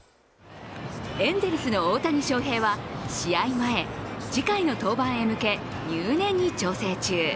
エンゼルスの大谷翔平は試合前、次回の登板へ向け、入念に調整中。